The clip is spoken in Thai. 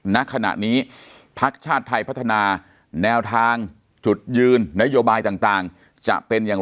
ณขณะนี้พักชาติไทยพัฒนาแนวทางจุดยืนนโยบายต่างจะเป็นอย่าง